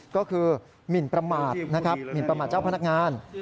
ก็คือหมินประมาทเจ้าพนักงาน